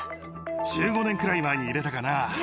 １５年くらい前に入れたかな。